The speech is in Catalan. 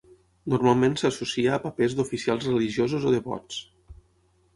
Normalment s'associa a papers d'oficials religiosos o devots.